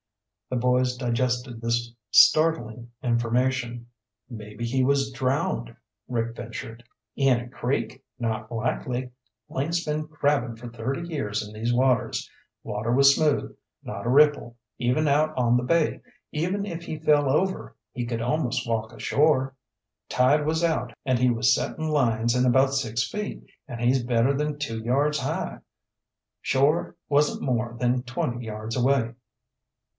The boys digested this startling information. "Maybe he was drowned," Rick ventured. "In a creek? Not likely! Link's been crabbin' for thirty years in these waters. Water was smooth. Not a ripple, even out on the bay. Even if he fell over, he could almost walk ashore. Tide was out and he was settin' lines in about six feet, and he's better than two yards high. Shore wasn't more than twenty yards away."